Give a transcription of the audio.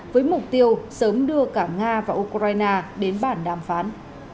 với mục tiêu sớm đưa cả nga và ukraine đến bản đàm phán